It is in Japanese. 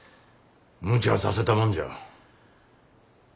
むちゃさせたもんじゃ。